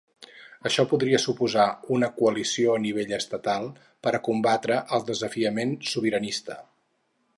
Això podria suposar una coalició a nivell estatal per combatre el desafiament sobiranista.